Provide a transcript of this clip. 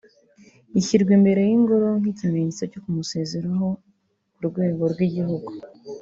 ishyirwa imbere y’Ingoro nk’ikimenyetso cyo kumusezeraho ku rwego rw’igihugu